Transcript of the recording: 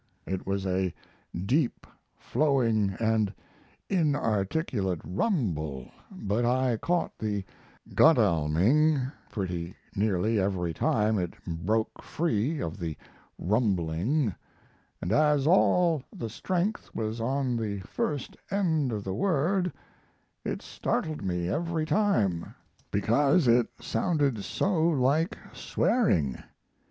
It was a deep, flowing, and inarticulate rumble, but I caught the Godalming pretty nearly every time it broke free of the rumbling, and as all the strength was on the first end of the word, it startled me every time, because it sounded so like swearing.